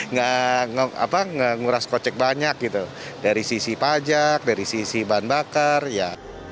nggak nguras kocek banyak gitu dari sisi pajak dari sisi bahan bakar ya